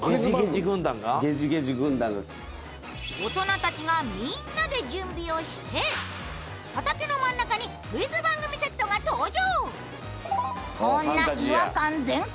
大人たちがみんなで準備をして畑の真ん中にクイズ番組セットが登場。